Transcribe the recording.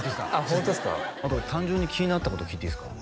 ホントですかあと単純に気になったこと聞いていいですか？